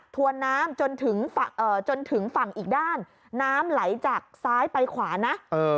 วนน้ำจนถึงจนถึงฝั่งอีกด้านน้ำไหลจากซ้ายไปขวานะ